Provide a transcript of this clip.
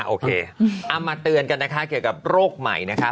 โอเคเอามาเตือนกันนะคะเกี่ยวกับโรคใหม่นะคะ